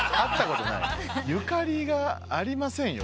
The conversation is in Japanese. ゆかりがありませんよ